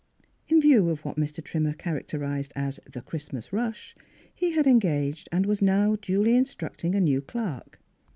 In view of what Mr. Trimmer character ised as the Christmas rush he had engaged and was now duly instructing a new clerk.